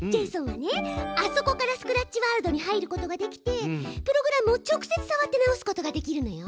あそこからスクラッチワールドに入ることができてプログラムを直接さわって直すことができるのよ。